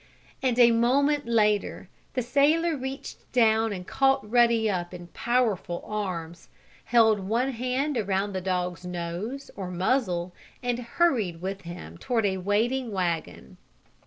And, a moment later, the sailor reached down and caught Ruddy up in powerful arms, held one hand around the dog's nose, or muzzle, and hurried with him toward a waiting wagon.